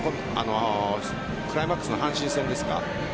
クライマックスの阪神戦ですか。